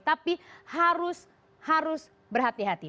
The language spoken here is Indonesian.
tapi harus berhati hati